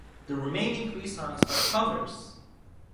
The remaining three songs are covers.